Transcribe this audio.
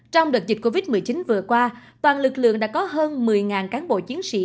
trong đợt dịch covid một mươi chín vừa qua toàn lực lượng đã có hơn một mươi cán bộ chiến sĩ